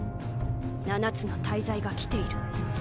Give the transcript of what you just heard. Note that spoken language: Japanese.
七つの大罪が来ている。